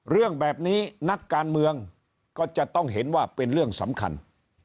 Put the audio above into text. เรื่องแบบนี้นักการเมืองก็จะต้องเห็นว่าเป็นเรื่องสำคัญ